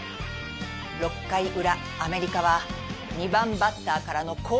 ６回裏アメリカは２番バッターからの好打順。